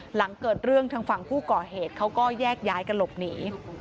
หลังเกิดเรื่องทางฝั่งผู้ก่อเหตุเขาก็แยกย้ายกันหลบหนี